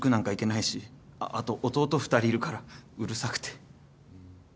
あっあと弟２人いるからうるさくて